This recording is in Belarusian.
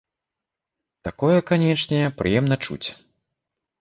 Такое, канечне, прыемна чуць.